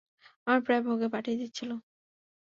আমায় প্রায় ভোগে পাঠিয়ে দিয়েছিলে।